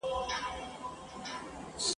د غليم په بنګلو کي !.